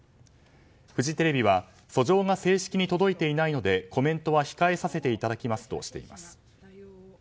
フジテレビは訴状が正式に届いていないのでコメントは控えさせていただきますとしています。